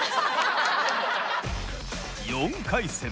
４回戦